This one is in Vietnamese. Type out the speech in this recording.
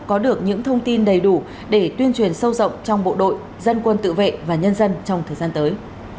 có được những thông tin đầy đủ để tuyên truyền sâu rộng trong bộ đội dân quân tự vệ và nhân dân trong thời gian tới